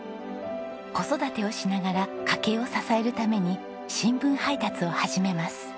子育てをしながら家計を支えるために新聞配達を始めます。